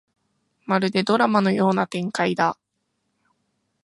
まるでドラマのような展開だ